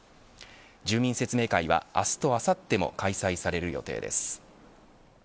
住民説明会は明日とあさっても開催される予定です。